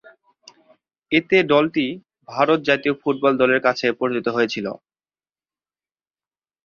এতে দলটি ভারত জাতীয় ফুটবল দলের কাছে পরাজিত হয়েছিল।